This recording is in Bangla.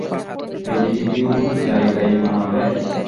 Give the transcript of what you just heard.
বেদীটা কি ও জায়গায় মানাবে।